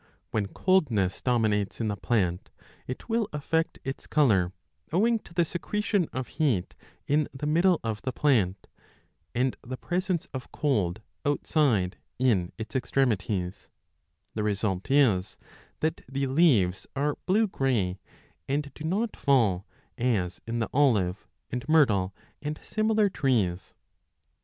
When coldness dominates in the plant, it will affect 40 its colour owing to the secretion of heat in the middle of the plant and the presence of cold outside in its extremities ; 828 b the result is that the leaves are blue grey and do not fall, as in the olive, and myrtle, and similar trees.